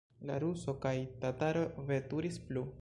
La ruso kaj tataro veturis plu.